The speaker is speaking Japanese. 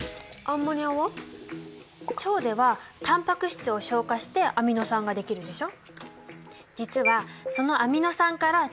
腸ではタンパク質を消化してアミノ酸ができるでしょ？